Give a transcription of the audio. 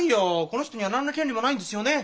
この人には何の権利もないんですよね？